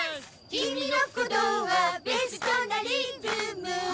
「君の鼓動はベストなリズム」